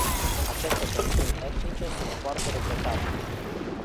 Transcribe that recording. Aceste tensiuni etnice sunt foarte regretabile.